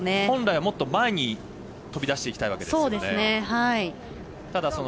本来はもっと前に飛び出していきたいんですね。